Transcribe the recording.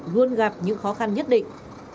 luôn gặp những khó khăn nhất định